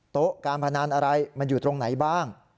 โต๊ะการพนันอะไรมันอยู่ตรงไหนบ้าง